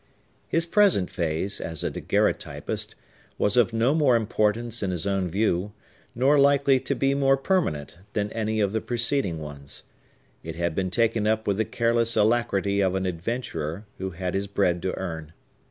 His present phase, as a daguerreotypist, was of no more importance in his own view, nor likely to be more permanent, than any of the preceding ones. It had been taken up with the careless alacrity of an adventurer, who had his bread to earn.